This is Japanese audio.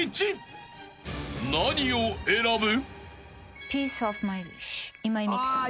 ［何を選ぶ？］